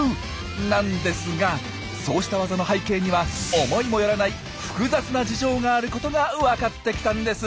なんですがそうしたワザの背景には思いもよらない複雑な事情があることがわかってきたんです。